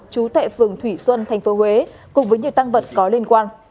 chú tại phường thủy xuân thành phố huế cùng với nhiều tăng vật có liên quan